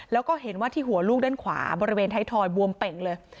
แล้วก็เห็นว่าที่หัวลูกด้านขวาบริเวณไทยทอยบวมเป่งเลย